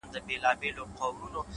o ه ياره کندهار نه پرېږدم،